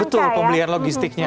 betul pembelian logistiknya